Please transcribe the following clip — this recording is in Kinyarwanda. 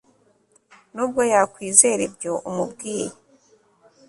nubwo yakwizera ibyo umubwiye